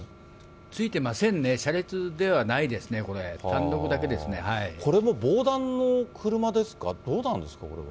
ついてませんね、車列ではないですね、これ、これも防弾の車ですか、どうなんですか、これは。